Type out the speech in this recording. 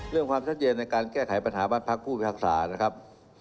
ความชัดเจนในการแก้ไขปัญหาบ้านพักผู้พิพากษานะครับ